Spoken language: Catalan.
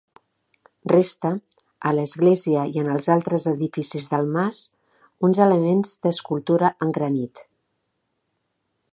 Resta, a l'església i en els altres edificis del mas, uns elements d'escultura en granit.